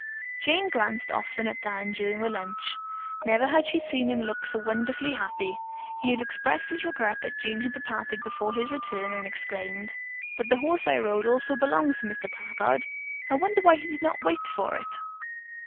Jane glanced often at Dan during the lunch. Never had she seen him look so wonderfully happy. He had expressed his regret that Jean had departed before his return and exclaimed: "But the horse I rode also belongs to Mr. Packard. I wonder why he did not wait for it."